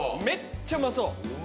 めっちゃうまそう。